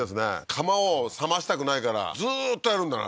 窯を冷ましたくないからずーっとやるんだね